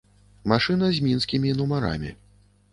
Машына з мінскімі нумарамі.